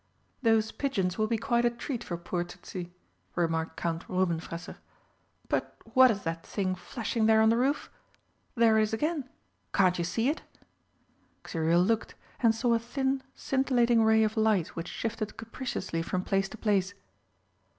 "Those pigeons will be quite a treat for poor Tützi," remarked Count Rubenfresser. "But what is that thing flashing there on the roof? There it is again! Can't you see it?" Xuriel looked, and saw a thin scintillating ray of light which shifted capriciously from place to place.